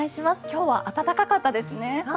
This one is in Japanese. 今日は暖かったですね。